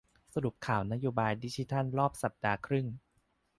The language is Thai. สรุปข่าวนโยบายดิจิทัลรอบสัปดาห์ครึ่ง